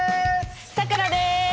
さくらです！